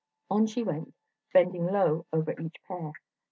On she went, bending low over each pair.